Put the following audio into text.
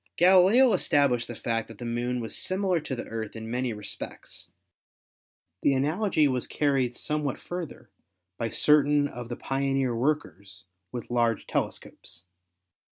Galileo established the fact that the Moon was similar to the Earth in many respects. The analogy was carried somewhat further by certain of the pioneer workers with large telescopes.